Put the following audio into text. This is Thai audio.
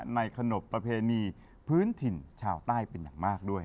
ขนบประเพณีพื้นถิ่นชาวใต้เป็นอย่างมากด้วย